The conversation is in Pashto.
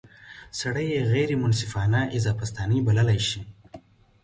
سړی یې غیر منصفانه اضافه ستانۍ بللای شي.